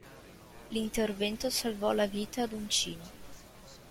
L'intervento salvò la vita ad Uncini.